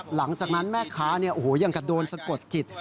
หลังจากนั้นแม่ค้ายังกระโดนสะกดจิต